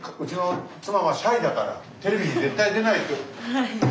はい。